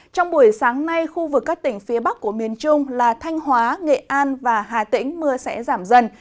trong buổi sáng nay khu vực các tỉnh phía bắc của miền trung là thanh hóa nghệ an và hà tĩnh mưa sẽ giảm dần